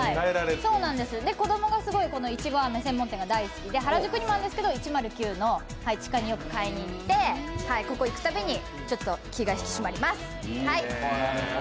子供がすごいこのいちごあめ専門店が好きで原宿にもあるんですけど、１０９の地下によく買いに行ってここ、行くたびにちょっと気が引き締まります。